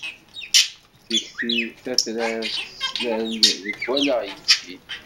Tikti tatrart tettlal-d deg wallaɣ yeftin.